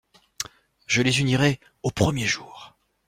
Je les unirai au premier jour.